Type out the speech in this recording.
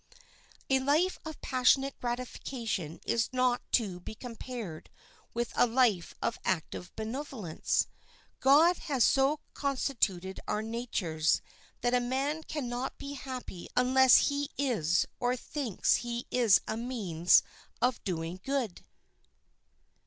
A life of passionate gratification is not to be compared with a life of active benevolence. God has so constituted our natures that a man can not be happy unless he is or thinks he is a means of doing good.